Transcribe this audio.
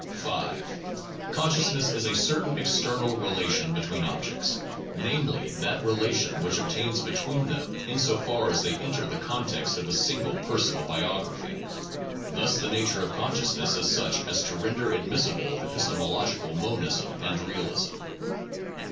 (38, 39; cf. 4, 5, 19.) 5. Consciousness is a certain external relation between objects, namely, that relation which obtains between them in so far as they enter the context of a single personal biography. Thus the nature of consciousness is such as to render admissible epistemological monism and realism.